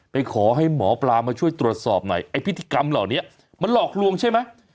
ไปขอให้หมอปลามาช่วยตรวจสอบหน่อยไอ้พิธีกรรมเหล่านี้มันหลอกลวงใช่ไหม